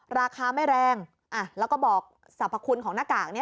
ราคาไม่แรงแล้วก็บอกสรรพคุณของหน้ากาก